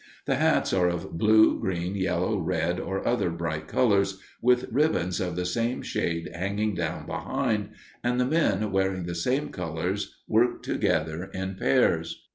The hats are of blue, green, yellow, red, or other bright colors, with ribbons of the same shade hanging down behind; and the men wearing the same colors work together in pairs.